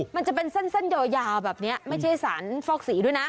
มันจะเป็นเส้นยาวแบบนี้ไม่ใช่สารฟอกสีด้วยนะ